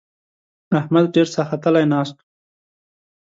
احمد ډېر ساختلی ناست وو.